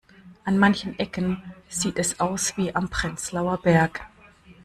An manchen Ecken sieht es aus wie am Prenzlauer Berg.